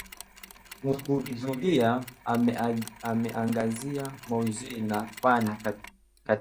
Mukuthuria ameangazia maudhui na fani katika